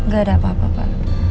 gak ada apa apa